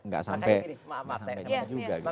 gak sampai sama juga